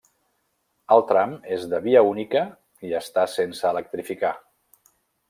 El tram és de via única i està sense electrificar.